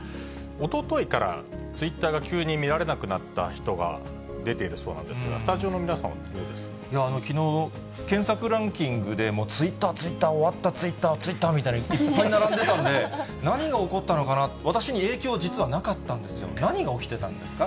おとといからツイッターが急に見られなくなった人が出ているそうなんですが、きのう、検索ランキングでもうツイッター、ツイッター、終わった、ツイッター、ツイッターみたいな、並んでたんで何が起こったのかな、私には影響、実はなかったんですよ。何が起きてたんですか？